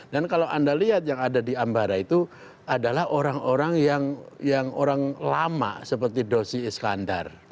dan kalau anda lihat yang ada di ambara itu adalah orang orang yang orang lama seperti doshi iskandar